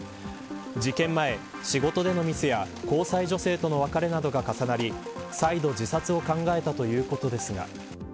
事件前、仕事でのミスや交際女性との別れなどが重なり再度自殺を考えたということですが。